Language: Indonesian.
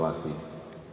pertama bahkan juga